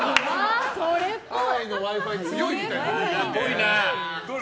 ハワイのＷｉ‐Ｆｉ強いみたいなね。